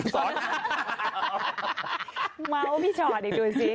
มาว่าพี่ชอดเองดูสิ